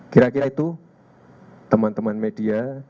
kira kira itu teman teman media